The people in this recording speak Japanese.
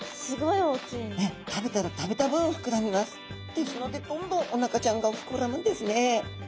ですのでどんどんおなかちゃんが膨らむんですね。